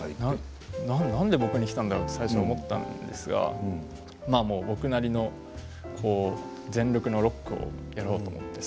何で僕にきたんだろう？って最初思ったんですが僕なりの全力のロックをやろうと思って。